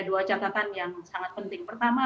dua catatan yang sangat penting pertama